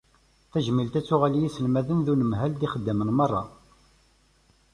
Tajmilt ad tuɣal i yiselmaden d unemhal d yixeddamen merra.